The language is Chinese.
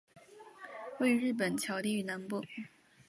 位于日本桥地域南部。